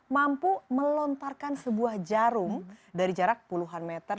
mampu melontarkan sebuah jarum dari jarak puluhan meter